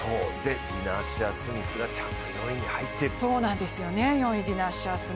ディナ・アッシャー・スミスがちゃんと４位に入ってる。